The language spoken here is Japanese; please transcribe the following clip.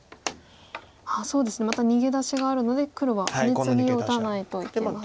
そうですねまた逃げ出しがあるので黒はハネツギを打たないといけません。